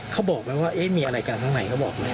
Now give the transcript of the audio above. เขาบอกไหมว่าไรกันทั้งไหน